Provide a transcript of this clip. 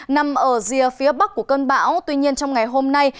nằm ở rìa phía bắc của cơn bão tuy nhiên trong ngày hôm nay